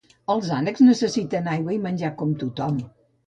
Els ànecs nessessiten aigua i menjar com tothom